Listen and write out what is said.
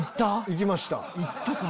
行きました。